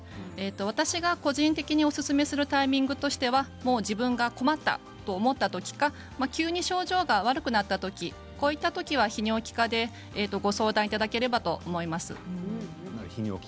私が個人的におすすめするタイミングとしては自分が困ったと思ったときか急に症状が悪くなったときこういったときは泌尿器科でご相談いただければと思います。